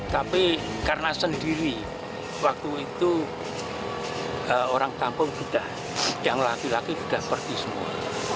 tapi karena sendiri waktu itu orang kampung sudah yang laki laki sudah pergi semua